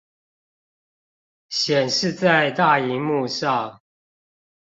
顯示在大螢幕上